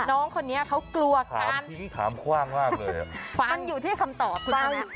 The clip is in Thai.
น้องคนนี้เขากลัวถามทิ้งถามคว่างมากเลยอ่ะมันอยู่ที่คำตอบคุณว่า